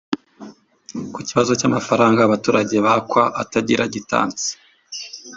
Ku kibazo cy’amafaranga abaturage bakwa atagira gitansi